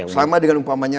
sama dengan umpamanya